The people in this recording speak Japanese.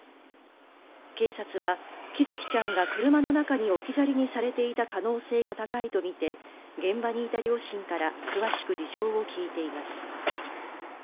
警察は喜寿生ちゃんが車の中に置き去りにされていた可能性が高いとみて現場にいた両親から詳しく事情を聴いています。